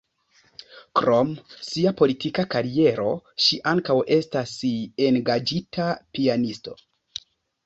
Krom sia politika kariero, ŝi ankaŭ estas engaĝita pianisto.